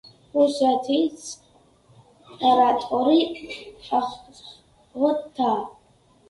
რუსეთის იმპერატორი აღშფოთდა.